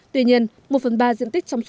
tuy nhiên một phần ba diện tích trong số